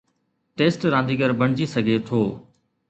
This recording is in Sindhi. ٽيسٽ رانديگر بڻجي سگهي ٿو.